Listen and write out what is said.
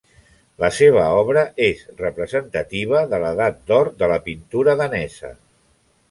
La seva obra és representativa de l'Edat d'Or de la pintura danesa.